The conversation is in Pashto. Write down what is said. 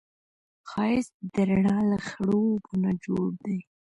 ښایست د رڼا له خړوبو نه جوړ دی